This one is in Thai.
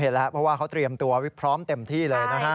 เพราะว่าเขาเตรียมตัวไว้พร้อมเต็มที่เลยนะฮะ